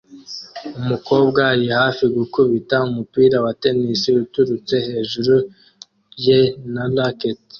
Umukobwa ari hafi gukubita umupira wa tennis uturutse hejuru ye na racket